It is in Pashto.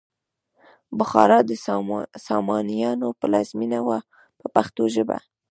بخارا د سامانیانو پلازمینه وه په پښتو ژبه.